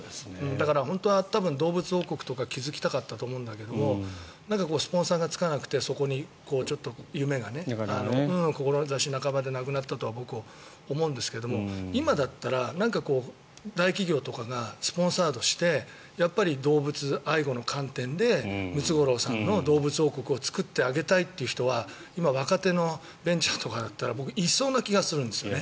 だから、本当は多分動物王国とか築きたかったと思うんだけどスポンサーがつかなくてそこの夢が志半ばで亡くなったとは思うんですけど今だったら、大企業とかがスポンサードしてやっぱり動物愛護の観点でムツゴロウさんの動物王国を作ってあげたいという人は今若手のベンチャーとかだったら僕、いそうな気がするんですよね。